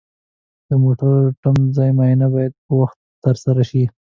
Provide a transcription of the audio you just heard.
د موټرو د ترمز معاینه باید په وخت ترسره شي.